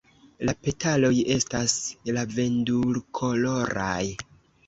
La petaloj estas lavendulkoloraj.